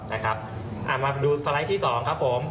นะครับอ่ามาดูสไลด์ที่๒ครับผม